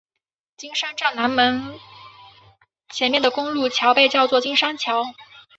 金山站南口前面的公路桥被叫做金山桥。